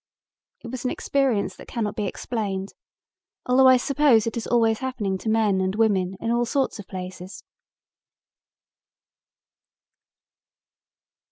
It was an experience that cannot be explained, although I suppose it is always happening to men and women in all sorts of places."